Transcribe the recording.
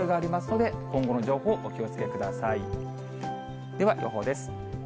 では、予報です。